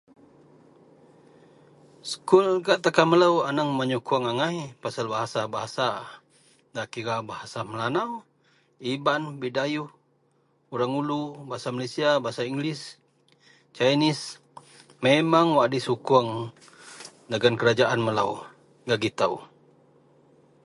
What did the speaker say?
Sekul gak takan melou aneng menyukuong angai pasel -bahasa nda kira bahasa Melanau, Iban, Bidayuh, Orang Ulu, bahasa Malaysia, bahasa english, Chinese memang wak disukuong dagen kerajaan melou gak gitou.